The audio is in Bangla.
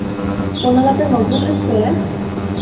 ফোনালাপে মগ্ন থাকবে, এহ?